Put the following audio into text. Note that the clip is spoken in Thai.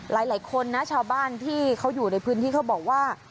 หลายคนนะชาวบ้านที่เขาอยู่ในพื้นที่เขาบอกว่า